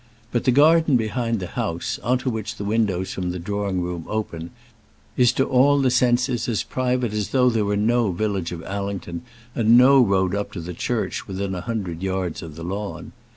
But the garden behind the house, on to which the windows from the drawing room open, is to all the senses as private as though there were no village of Allington, and no road up to the church within a hundred yards of the lawn.